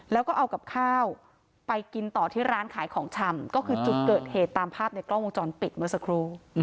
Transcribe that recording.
แล้วก็เอากับข้าวไปกินต่อที่ร้านขายของชำก็คือจุดเกิดเหตุตามภาพในกล้องวงจรปิดเมื่อสักครู่